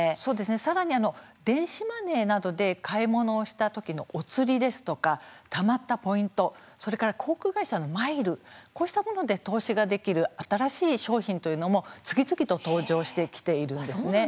さらに、電子マネーなどで買い物をしたときのお釣りですとかたまったポイントそれから航空会社のマイルこうしたもので投資ができる新しい商品というのも次々と登場してきているんですね。